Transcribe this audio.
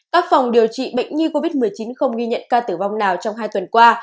các phòng điều trị bệnh nhi covid một mươi chín không ghi nhận ca tử vong nào trong hai tuần qua